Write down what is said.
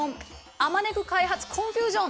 あまねく開発コンフュージョン！